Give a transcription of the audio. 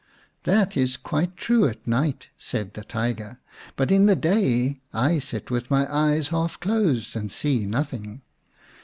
" That is quite true at night," said the Tiger, " but in the day I sit with my eyes half closed and see nothing.